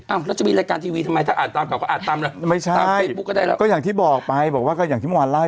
อ้ะแล้วจะมีรายการทีวีทำไมถ้าอ่าตามข่าวเขาก็อ่าตามแล้ว